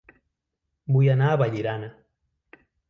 Vull anar a Vallirana